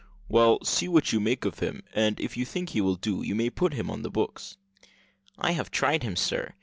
"Well, see what you make of him: and if you think he will do, you may put him on the books." "I have tried him, sir.